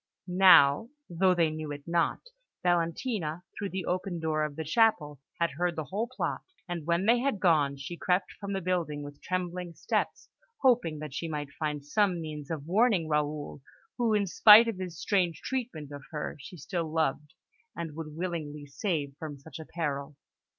Now, though they knew it not, Valentina, through the open door of the chapel, had heard the whole plot; and when they had gone, she crept from the building with trembling steps, hoping that she might find some means of warning Raoul, who, in spite of his strange treatment of her, she still loved, and would willingly save from such a peril.